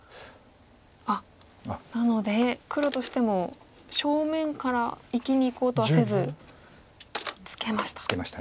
あっなので黒としても正面から生きにいこうとはせずツケました。